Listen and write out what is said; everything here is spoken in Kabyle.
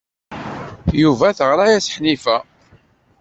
Yuba teɣra-as-d Ḥnifa.